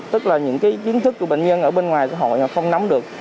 tức là những kiến thức của bệnh nhân ở bên ngoài họ không nắm được